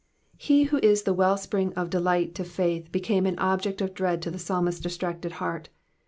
'*^ He who is the wellspring of delight to faith became an object of dread to the psalmist's distracted heart.